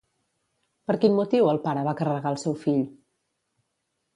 Per quin motiu el pare va carregar el seu fill?